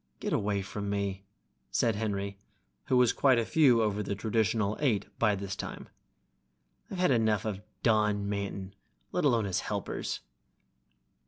"Get away from me!" said Henry, who was quite a few over the traditional eight by this time. "I've had enough of Don Manton, let alone his helpers."